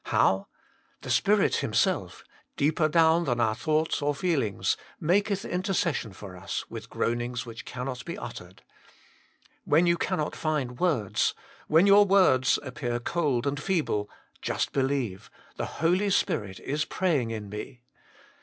How ?" The Spirit Himself," deeper down than our thoughts or feelings, " maketh intercession for us with groanings which cannot be uttered." When you cannot find words, when your words appear cold and feeble, just believe : The Holy Spirit is praying in me.